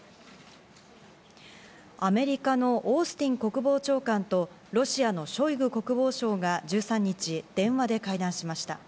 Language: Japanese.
アメリカのオースティン国防長官とロシアのショイグ国防相が１３日、電話で会談しました。